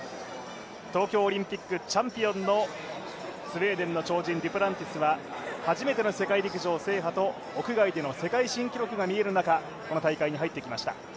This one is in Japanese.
東京オリンピックチャンピオンのスウェーデンの超人、デュプランティスは初めての世界陸上制覇と屋外での世界新記録が見える中、この大会に入ってきました。